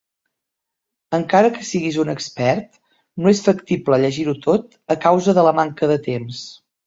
Encara que siguis un expert, no és factible llegir-ho tot a causa de la manca de temps.